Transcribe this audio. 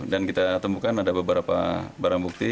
dan kita temukan ada beberapa barang bukti